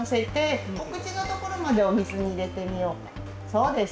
そうです